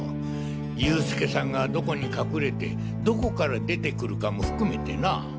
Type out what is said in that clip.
佑助さんがどこに隠れてどこから出てくるかも含めてな。